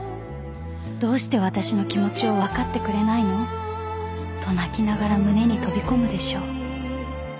［「どうして私の気持ちを分かってくれないの？」と泣きながら胸に飛び込むでしょう］